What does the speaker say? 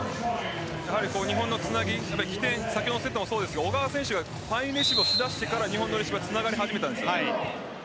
日本のつなぎ先ほどのセットもそうですが小川選手がレシーブを出してから日本のレシーブつながり始めたんです。